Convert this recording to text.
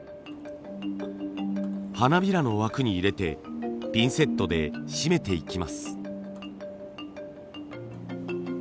花びらの枠に入れてピンセットでしめていきます。